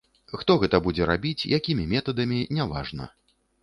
Хто гэта будзе рабіць, якімі метадамі, няважна.